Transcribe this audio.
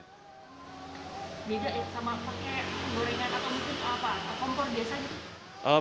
beda sama pakai gorengan atau kompor biasanya